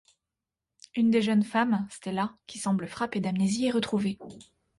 Une des jeunes femmes, Stella, qui semble frappée d'amnésie, est retrouvée.